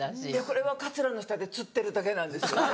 これはカツラの下でつってるだけなんです。